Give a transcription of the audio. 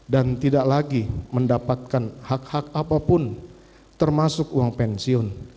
dan tidak lagi mendapatkan hak hak apapun termasuk uang pensiun